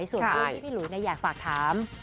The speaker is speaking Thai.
มีพี่หลุยเนี่ยอยากฝากฐาม